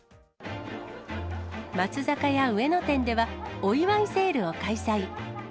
松坂屋上野店では、お祝いセールを開催。